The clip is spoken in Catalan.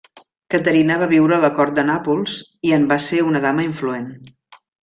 Caterina va viure a la cort de Nàpols i en va ser una dama influent.